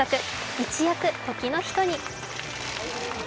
一躍、時の人に。